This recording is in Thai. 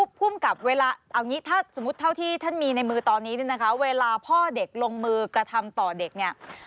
ภูมิกับเวลาเอางี้ถ้าสมมุติเท่าที่ท่านมีในมือตอนนี้เนี่ยนะคะเวลาพ่อเด็กลงมือกระทำต่อเด็กเนี่ย